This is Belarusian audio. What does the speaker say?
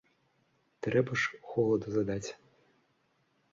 Трэба ж холаду задаць.